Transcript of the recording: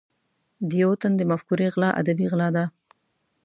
د یو تن د مفکورې غلا ادبي غلا ده.